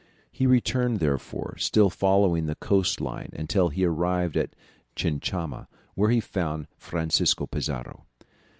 He returned therefore, still following the coast line until he arrived at Chinchama, where he found Francisco Pizarro.